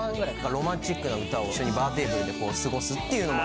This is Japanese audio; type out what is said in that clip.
ロマンチックな歌を一緒にバーテーブルで過ごすっていうのも。